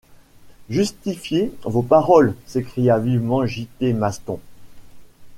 Justifiez vos paroles, s’écria vivement J.-T. Maston.